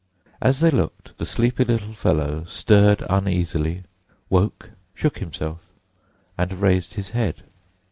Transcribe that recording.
As they looked, the sleepy little fellow stirred uneasily, woke, shook himself, and raised his head.